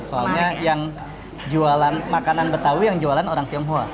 soalnya yang jualan makanan betawi yang jualan orang tionghoa